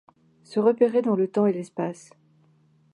se repérer dans le temps et l’espace